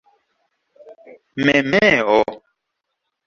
memeo